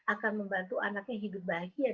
akan membantu anaknya hidup bahagia